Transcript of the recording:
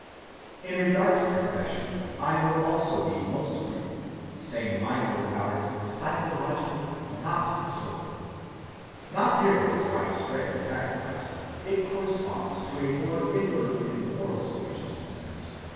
‐‐‐‐‐‐‐‐‐‐‐‐‐‐‐‐‐‐‐‐‐‐‐‐‐‐‐‐‐‐‐‐‐‐‐‐‐ In regard to Confession I will also be most brief, saying my word about it psychologically, not historically. Not nearly as widespread as sacrifice, it corresponds to a more inward and moral stage of sentiment.